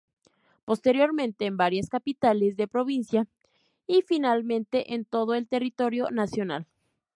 Posteriormente en varias capitales de provincia y, finalmente en todo el territorio nacional.